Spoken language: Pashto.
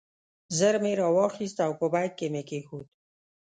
ژر مې را واخیست او په بیک کې مې کېښود.